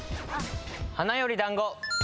花より団子。